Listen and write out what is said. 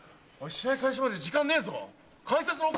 試合開始まで時間ねえぞ。